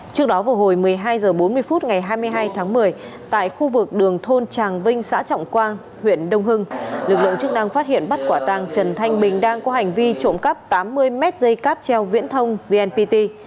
trước đó vào hồi một mươi hai h bốn mươi phút ngày hai mươi hai tháng một mươi tại khu vực đường thôn tràng vinh xã trọng quang huyện đông hưng lực lượng chức năng phát hiện bắt quả tàng trần thanh bình đang có hành vi trộm cắp tám mươi mét dây cáp treo viễn thông vnpt